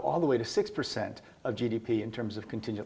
dalam hal kegiatan kontingent